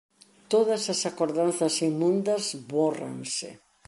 Todas as acordanzas inmundas bórranse.